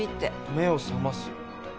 目を覚ます。